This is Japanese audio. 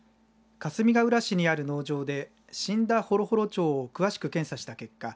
かすみがうら市にある農場で死んだホロホロ鳥を詳しく検査した結果